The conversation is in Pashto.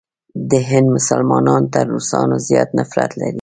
د هند مسلمانان تر روسانو زیات نفرت لري.